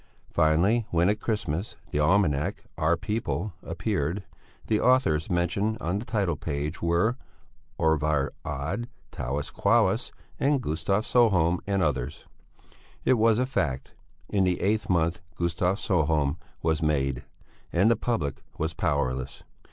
Finally, when at Christmas the almanac Our People appeared, the authors mentioned on the title page were: Orvar Odd, Talis Qualis, Gustav Sjöholm, and others. It was a fact. In the eighth month Gustav Sjöholm was made. And the public was powerless.